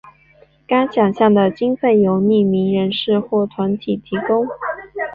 该奖项的经费由匿名人士或团体提供。